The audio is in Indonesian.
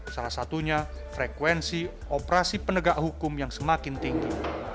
salah satunya frekuensi operasi penegak hukum yang semakin tinggi